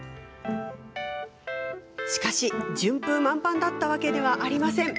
しかし、順風満帆だったわけではありません。